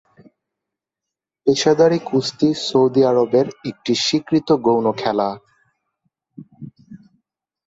পেশাদারি কুস্তি সৌদি আরবের একটি স্বীকৃত গৌণ খেলা।